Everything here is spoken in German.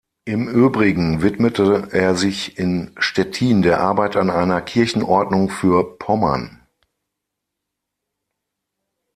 Im Übrigen widmete er sich in Stettin der Arbeit an einer Kirchenordnung für Pommern.